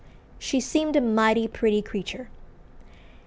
She seemed a mighty pretty creature."